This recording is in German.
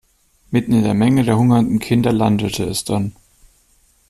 Mitten in der Menge der hungernden Kinder landete es dann.